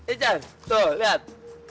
ijan tuh lihat